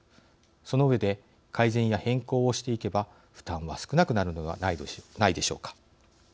その上で改善や変更をしていけば負担は少なくなるのではないでしょうか。